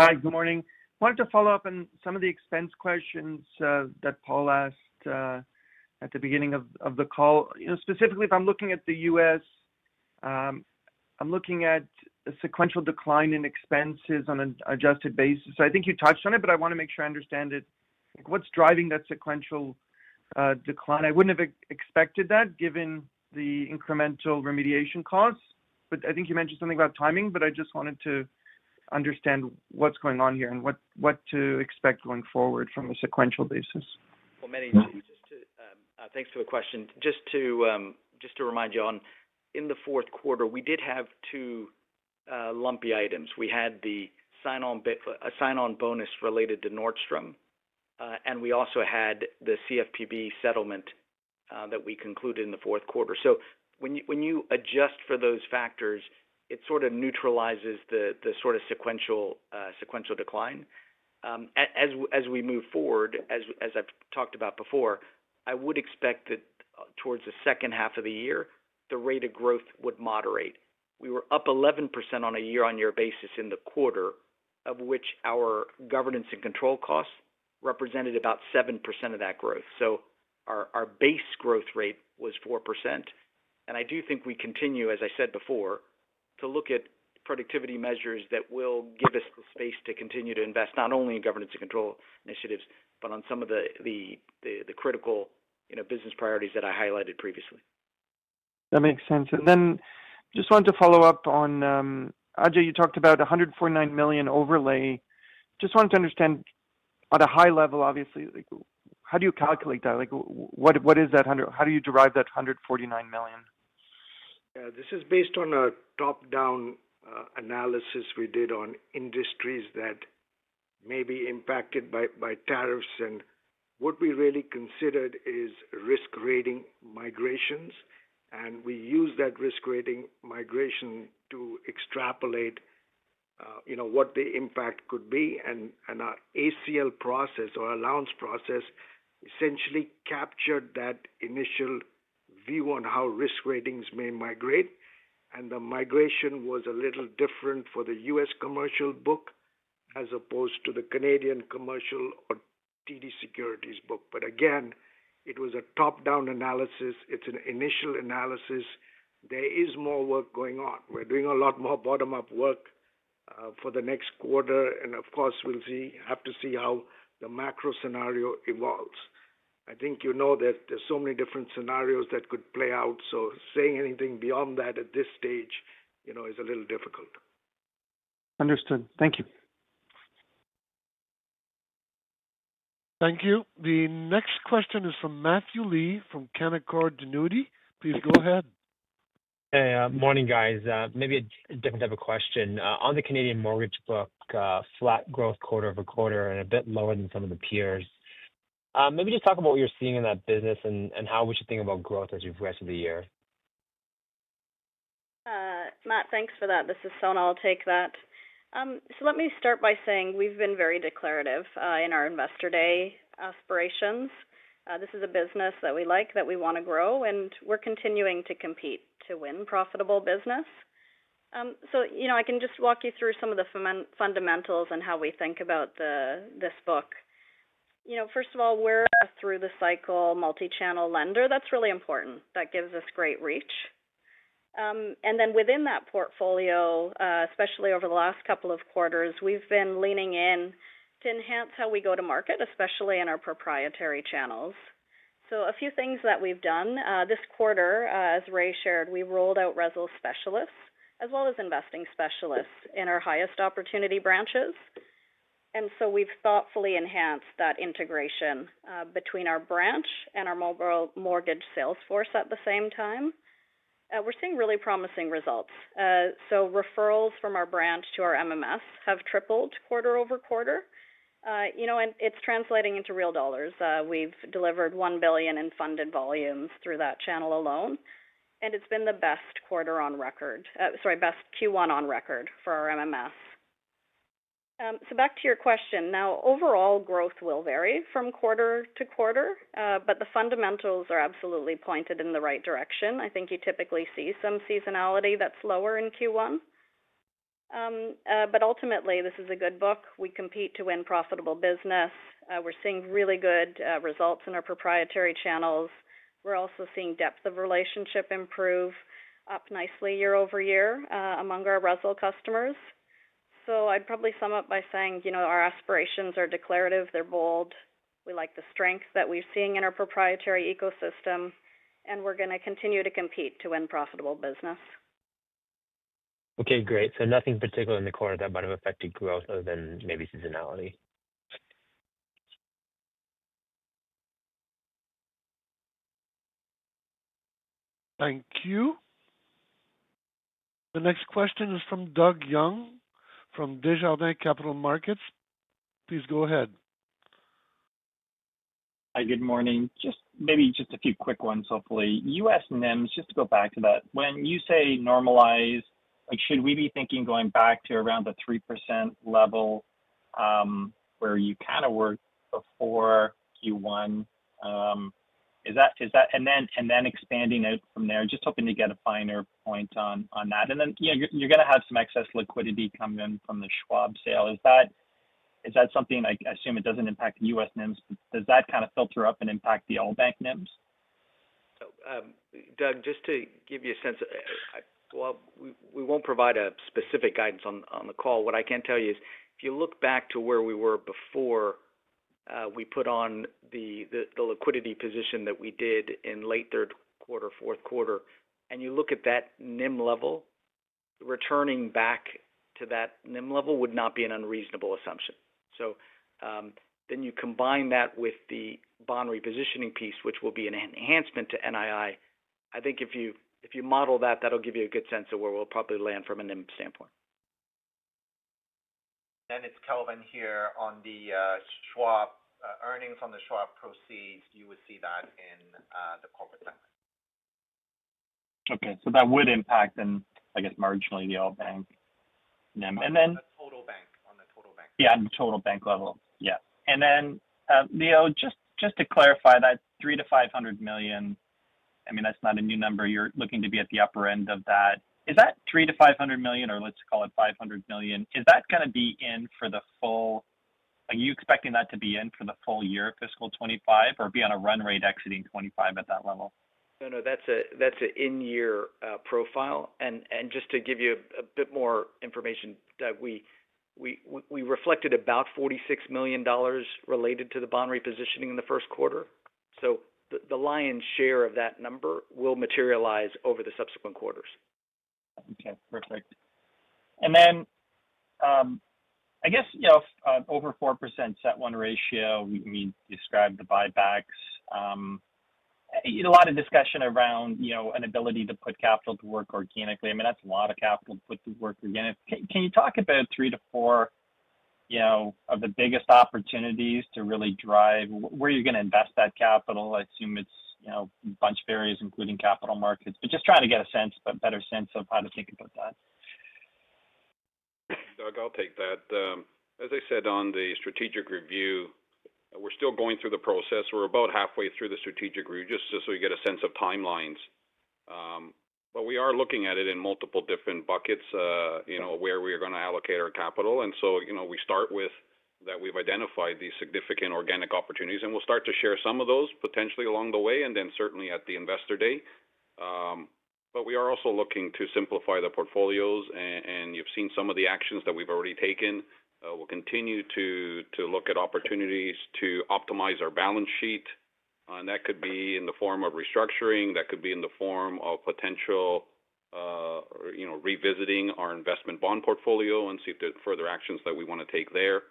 Hi, good morning. I wanted to follow up on some of the expense questions that Paul asked at the beginning of the call. Specifically, if I'm looking at the U.S., I'm looking at a sequential decline in expenses on an adjusted basis. So I think you touched on it, but I want to make sure I understand it. What's driving that sequential decline? I wouldn't have expected that, given the incremental remediation costs. But I think you mentioned something about timing, but I just wanted to understand what's going on here and what to expect going forward from a sequential basis. Meny, thanks for the question. Just to remind you on, in the fourth quarter, we did have two lumpy items. We had the sign-on bonus related to Nordstrom, and we also had the CFPB settlement that we concluded in the fourth quarter. So when you adjust for those factors, it sort of neutralizes the sort of sequential decline. As we move forward, as I've talked about before, I would expect that towards the second half of the year, the rate of growth would moderate. We were up 11% on a year-on-year basis in the quarter, of which our governance and control costs represented about 7% of that growth. So our base growth rate was 4%. I do think we continue, as I said before, to look at productivity measures that will give us the space to continue to invest not only in governance and control initiatives, but on some of the critical business priorities that I highlighted previously. That makes sense. And then just wanted to follow up on Ajai, you talked about $149 million overlay. Just wanted to understand at a high level, obviously, how do you calculate that? What is that? How do you derive that $149 million? This is based on a top-down analysis we did on industries that may be impacted by tariffs. And what we really considered is risk-rating migrations. And we used that risk-rating migration to extrapolate what the impact could be. And our ACL process or allowance process essentially captured that initial view on how risk ratings may migrate. And the migration was a little different for the U.S. commercial book as opposed to the Canadian commercial or TD Securities book. But again, it was a top-down analysis. It's an initial analysis. There is more work going on. We're doing a lot more bottom-up work for the next quarter. And of course, we'll have to see how the macro scenario evolves. I think you know that there's so many different scenarios that could play out. So saying anything beyond that at this stage is a little difficult. Understood. Thank you. Thank you. The next question is from Matthew Lee from Canaccord Genuity. Please go ahead. Hey, morning, guys. Maybe a different type of question. On the Canadian mortgage book, flat growth quarter over quarter and a bit lower than some of the peers. Maybe just talk about what you're seeing in that business and how we should think about growth as we've reached the year. Matt, thanks for that. This is Sona. I'll take that. So let me start by saying we've been very declarative in our Investor Day aspirations. This is a business that we like, that we want to grow, and we're continuing to compete to win profitable business. So I can just walk you through some of the fundamentals and how we think about this book. First of all, we're through the cycle multi-channel lender. That's really important. That gives us great reach. And then within that portfolio, especially over the last couple of quarters, we've been leaning in to enhance how we go to market, especially in our proprietary channels. So a few things that we've done this quarter, as Ray shared, we rolled out RESL specialists as well as investing specialists in our highest opportunity branches. We've thoughtfully enhanced that integration between our branch and our mobile mortgage salesforce at the same time. We're seeing really promising results. Referrals from our branch to our MMS have tripled quarter over quarter. It's translating into real dollars. We've delivered $1 billion in funded volumes through that channel alone. It's been the best quarter on record, sorry, best Q1 on record for our MMS. Back to your question. Overall growth will vary from quarter-to-quarter, but the fundamentals are absolutely pointed in the right direction. You typically see some seasonality that's lower in Q1. Ultimately, this is a good book. We compete to win profitable business. We're seeing really good results in our proprietary channels. We're also seeing depth of relationship improve up nicely year-over-year among our RESL customers. So, I'd probably sum up by saying our aspirations are declarative. They're bold. We like the strength that we're seeing in our proprietary ecosystem. And we're going to continue to compete to win profitable business. Okay, great. So nothing particular in the quarter that might have affected growth, other than maybe seasonality? Thank you. The next question is from Doug Young from Desjardins Capital Markets. Please go ahead. Hi, good morning. Just maybe just a few quick ones, hopefully. U.S. NIMs, just to go back to that, when you say normalize, should we be thinking going back to around the 3% level where you kind of were before Q1? And then expanding out from there, just hoping to get a finer point on that. And then you're going to have some excess liquidity coming in from the Schwab sale. Is that something, I assume it doesn't impact the U.S. NIMs? Does that kind of filter up and impact the All Bank NIMs? Doug, just to give you a sense, well, we won't provide specific guidance on the call. What I can tell you is if you look back to where we were before we put on the liquidity position that we did in late third quarter, fourth quarter, and you look at that NIM level, returning back to that NIM level would not be an unreasonable assumption. So then you combine that with the bond repositioning piece, which will be an enhancement to NII. I think if you model that, that'll give you a good sense of where we'll probably land from a NIM standpoint. Doug, it's Kelvin here. On the Schwab earnings, on the Schwab proceeds, you would see that in the Corporate segment. Okay. So that would impact, I guess, marginally the all-bank NIM. And then. On the total bank. Yeah, on the total bank level. Yeah. And then, Leo, just to clarify that $300 million-$500 million, I mean, that's not a new number. You're looking to be at the upper end of that. Is that $300 million-$500 million, or let's call it $500 million? Is that going to be in for the full? Are you expecting that to be in for the full year, fiscal 2025, or be on a run rate exiting 2025 at that level? No, no, that's an in-year profile. And just to give you a bit more information, we reflected about $46 million related to the bond repositioning in the first quarter. So the lion's share of that number will materialize over the subsequent quarters. Okay. Perfect. And then, I guess, over 4% CET1 ratio, we described the buybacks. A lot of discussion around an ability to put capital to work organically. I mean, that's a lot of capital to put to work organically. Can you talk about three to four of the biggest opportunities to really drive where you're going to invest that capital? I assume it's a bunch of areas, including capital markets. But just trying to get a better sense of how to think about that. Doug, I'll take that. As I said on the strategic review, we're still going through the process. We're about halfway through the strategic review just so you get a sense of timelines. But we are looking at it in multiple different buckets where we're going to allocate our capital. And so we start with that we've identified these significant organic opportunities, and we'll start to share some of those potentially along the way and then certainly at the Investor Day. But we are also looking to simplify the portfolios. And you've seen some of the actions that we've already taken. We'll continue to look at opportunities to optimize our balance sheet. And that could be in the form of restructuring. That could be in the form of potential revisiting our investment bond portfolio and see if there are further actions that we want to take there.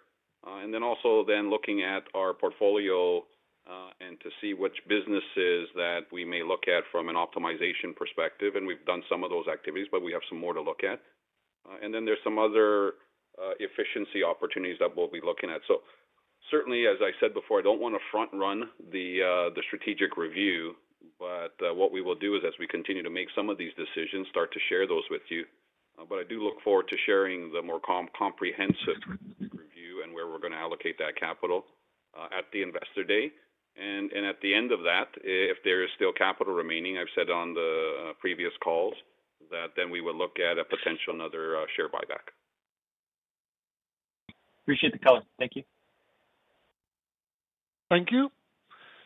And then also looking at our portfolio to see which businesses that we may look at from an optimization perspective. We've done some of those activities, but we have some more to look at. And then there's some other efficiency opportunities that we'll be looking at. So certainly, as I said before, I don't want to front-run the strategic review. But what we will do is, as we continue to make some of these decisions, start to share those with you. But I do look forward to sharing the more comprehensive review and where we're going to allocate that capital at the Investor Day. And at the end of that, if there is still capital remaining, I've said on the previous calls that then we will look at a potential another share buyback. Appreciate the color. Thank you. Thank you.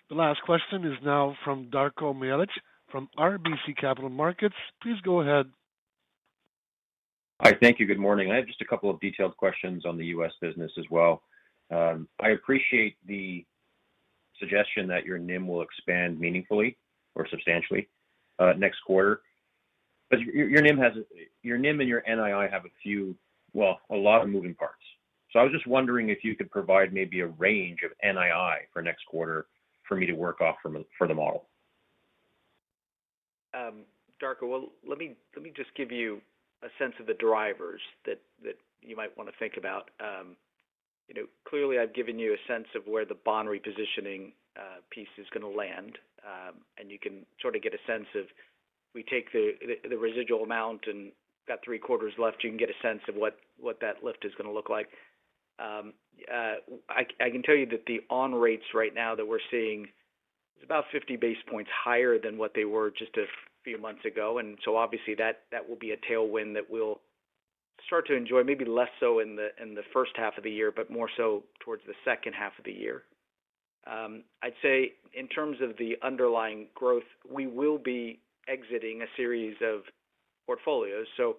The last question is now from Darko Mihelic from RBC Capital Markets. Please go ahead. Hi, thank you. Good morning. I have just a couple of detailed questions on the U.S. business as well. I appreciate the suggestion that your NIM will expand meaningfully or substantially next quarter. But your NIM and your NII have a few, well, a lot of moving parts. So I was just wondering if you could provide maybe a range of NII for next quarter for me to work off for the model? Darko, well, let me just give you a sense of the drivers that you might want to think about. Clearly, I've given you a sense of where the bond repositioning piece is going to land, and you can sort of get a sense of we take the residual amount and get three quarters left. You can get a sense of what that lift is going to look like. I can tell you that the on rates right now that we're seeing is about 50 basis points higher than what they were just a few months ago, and so obviously, that will be a tailwind that we'll start to enjoy, maybe less so in the first half of the year, but more so towards the second half of the year. I'd say in terms of the underlying growth, we will be exiting a series of portfolios. So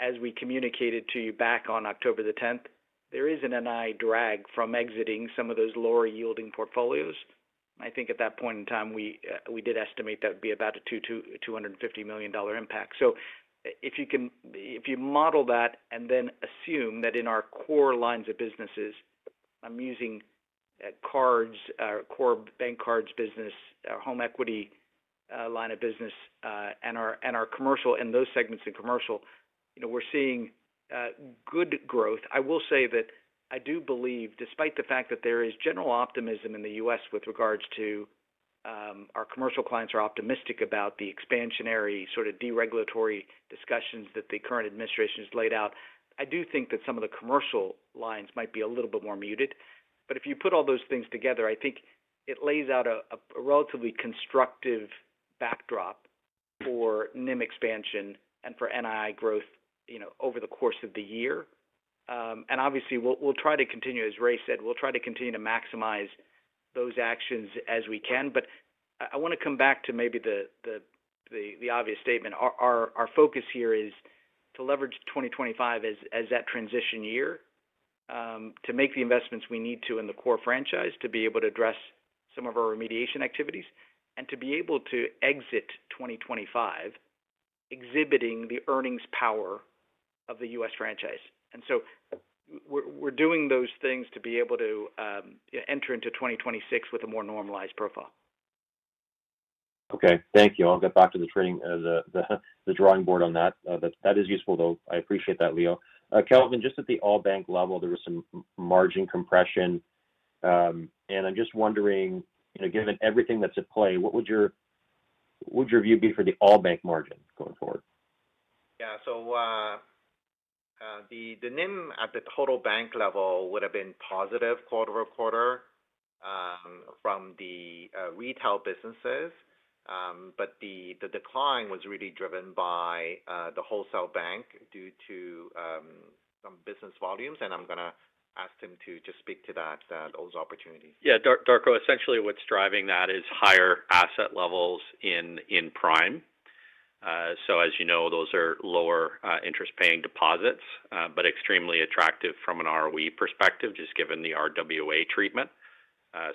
as we communicated to you back on October the 10th, there is an NII drag from exiting some of those lower-yielding portfolios. And I think at that point in time, we did estimate that would be about a $250 million impact. So if you model that and then assume that in our core lines of businesses, I'm using cards, core bank cards business, home equity line of business, and our commercial, and those segments in commercial, we're seeing good growth. I will say that I do believe, despite the fact that there is general optimism in the U.S. with regards to our commercial clients are optimistic about the expansionary sort of deregulatory discussions that the current administration has laid out, I do think that some of the commercial lines might be a little bit more muted. But if you put all those things together, I think it lays out a relatively constructive backdrop for NIM expansion and for NII growth over the course of the year. And obviously, we'll try to continue, as Ray said, we'll try to continue to maximize those actions as we can. But I want to come back to maybe the obvious statement. Our focus here is to leverage 2025 as that transition year to make the investments we need to in the core franchise to be able to address some of our remediation activities and to be able to exit 2025 exhibiting the earnings power of the U.S. franchise. And so we're doing those things to be able to enter into 2026 with a more normalized profile. Okay. Thank you. I'll get back to the drawing board on that. That is useful, though. I appreciate that, Leo. Kelvin, just at the All Bank level, there was some margin compression. And I'm just wondering, given everything that's at play, what would your view be for the All Bank margin going forward? Yeah, so the NIM at the total bank level would have been positive quarter-over-quarter from the Retail businesses, but the decline was really driven by the Wholesale Bank due to some business volumes, and I'm going to ask him to just speak to those opportunities. Yeah. Darko, essentially, what's driving that is higher asset levels in Prime. So as you know, those are lower interest-paying deposits, but extremely attractive from an ROE perspective, just given the RWA treatment.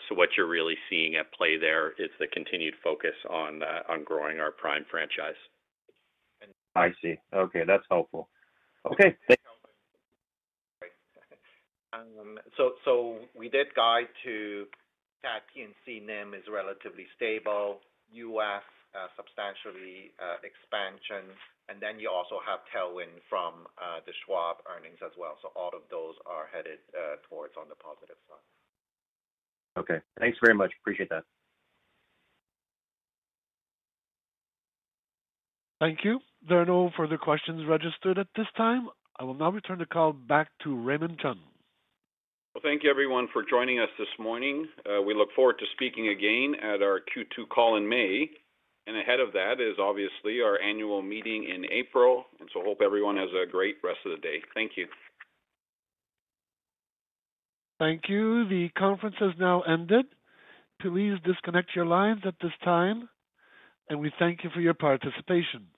So what you're really seeing at play there is the continued focus on growing our Prime franchise. I see. Okay. That's helpful. Okay. So, we did guide to that. Canadian NIM is relatively stable, U.S. substantial expansion. And then, you also have tailwind from the Schwab earnings as well. So, all of those are headed toward the positive side. Okay. Thanks very much. Appreciate that. Thank you. There are no further questions registered at this time. I will now return the call back to Raymond Chun. Thank you, everyone, for joining us this morning. We look forward to speaking again at our Q2 call in May. Ahead of that is obviously our annual meeting in April. So hope everyone has a great rest of the day. Thank you. Thank you. The conference has now ended. Please disconnect your lines at this time. And we thank you for your participation.